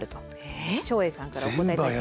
照英さんからお答え下さい。